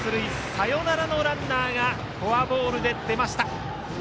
サヨナラのランナーがフォアボールで出ました。